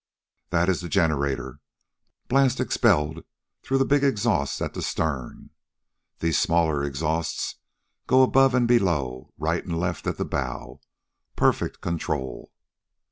"This is the generator. Blast expelled through the big exhaust at the stern. These smaller exhausts go above and below right and left at the bow. Perfect control!"